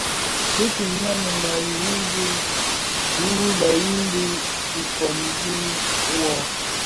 Bi kinyèn-më iru bi duru beyin di dhikob wuō,